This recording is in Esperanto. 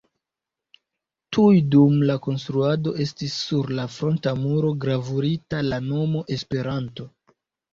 Tuj dum la konstruado estis sur la fronta muro gravurita la nomo Esperanto.